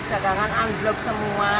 jagangan angklop semua